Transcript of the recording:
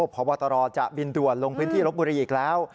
พบตรจะบินด่วนลงพื้นที่รบบุรีอีกแล้ว